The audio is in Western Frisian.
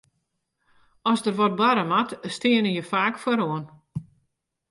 As der wat barre moat, steane je faak foaroan.